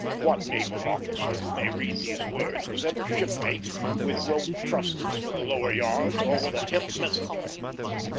What naval officer who may read these words was ever shipmate with rope "trusses" for the lower yards, or with a hemp messenger?